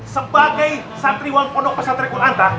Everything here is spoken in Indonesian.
sebagai satriwan kondok pesantri kunanta